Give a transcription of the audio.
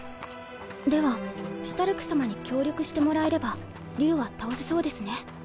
ではシュタルク様に協力してもらえれば竜は倒せそうですね。